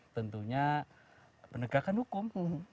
tentunya penegakan hukum